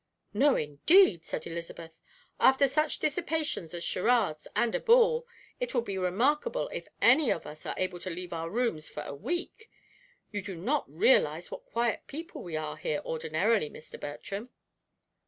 "No, indeed," said Elizabeth, "after such dissipations as charades and a ball, it will be remarkable if any of us are able to leave our rooms for a week. You do not realize what quiet people we are here ordinarily, Mr. Bertram."